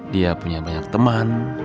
dia punya banyak teman